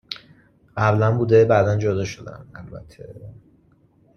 قبلا بوده، بعداً جدا شدن، البته